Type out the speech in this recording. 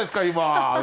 今！